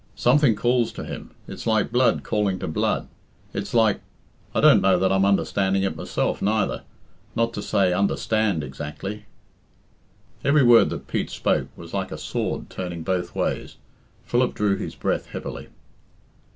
Something calls to him it's like blood calling to blood it's like... I don't know that I'm understanding it myself, neither not to say understand exactly." Every word that Pete spoke was like a sword turning both ways. Philip drew his breath heavily.